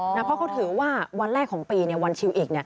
เพราะเขาถือว่าวันแรกของปีวันชิวอีก